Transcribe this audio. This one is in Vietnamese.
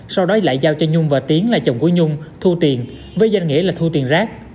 sau đó lại giao cho nhung và tiến là chồng của nhung thu tiền với danh nghĩa là thu tiền rác